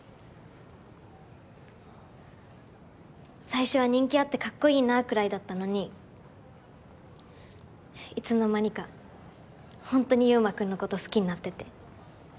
最初は人気あってカッコいいなくらいだったのにいつの間にかホントに悠真君のこと好きになってて。